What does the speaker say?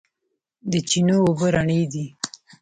د چینو اوبه رڼې دي